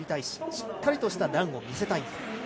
しっかりとしたランを見せたい。